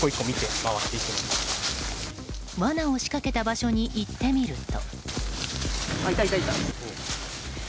わなを仕掛けた場所に行ってみると。